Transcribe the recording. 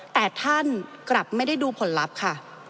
แต่ท่านกลับไม่ได้ดูผลลัพธ์ค่ะ